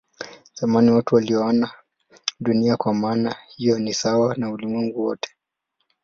Zamani watu waliona Dunia kwa maana hiyo ni sawa na ulimwengu wote.